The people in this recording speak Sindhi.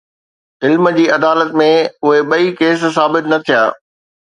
علم جي عدالت ۾ اهي ٻئي ڪيس ثابت نه ٿيا.